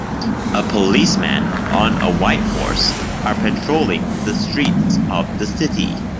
A policeman on a white horse are patrolling the streets of the city.